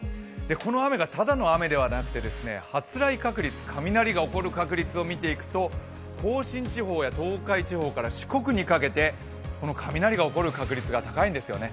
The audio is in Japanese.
この雨が、ただの雨ではなくて発雷確率、雷が起こる確率を見ていきますと甲信地方や東海地方から四国にかけてこの雷が起こる確率が高いんですよね。